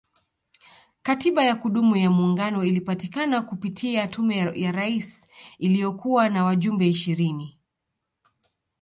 Katiba ya kudumu ya muungano ilipatikana kupitia Tume ya Rais iliyokuwa na wajumbe ishirini